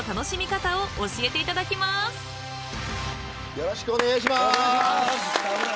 よろしくお願いします。